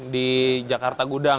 di jakarta gudang